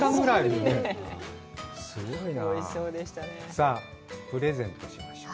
さあ、プレゼントしましょう。